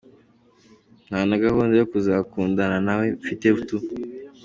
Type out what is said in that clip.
Nta na gahahunda yo kuzakundana nawe mfite tu.